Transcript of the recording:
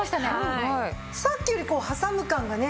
さっきよりこう挟む感がね